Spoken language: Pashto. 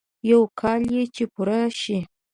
يو کال يې چې پوره شي.